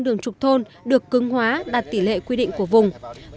một trăm linh đường trục thôn được cứng hóa đạt tỷ lệ quy định của vùng